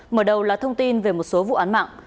mở đầu là thông tin về một số vụ án mạng